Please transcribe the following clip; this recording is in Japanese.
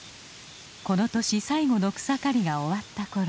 この年最後の草刈りが終わったころ。